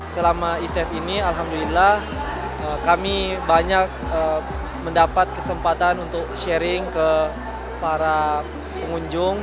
selama e safe ini alhamdulillah kami banyak mendapat kesempatan untuk sharing ke para pengunjung